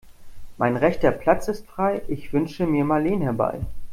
Mein rechter Platz ist frei, ich wünsche mir Marleen herbei.